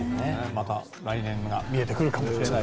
また来年が見えてくるかもしれない。